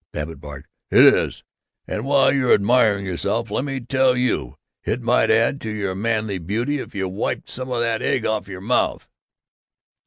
Babbitt barked: "It is! And while you're admiring yourself, let me tell you it might add to your manly beauty if you wiped some of that egg off your mouth!"